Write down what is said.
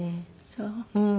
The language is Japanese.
そう。